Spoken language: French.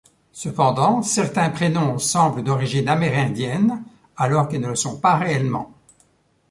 Cependant certains prénoms semblent d'origine amérindienne alors qu'ils ne le sont pas réellement.